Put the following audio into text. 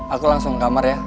aku langsung ke kamar ya